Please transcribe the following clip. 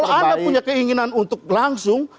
kalau anda punya keinginan untuk langsung